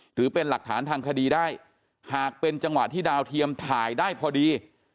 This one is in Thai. หรือเป็นหลักฐานทางคดีได้หากเป็นจังหวะที่ดาวเทียมถ่ายได้พอดี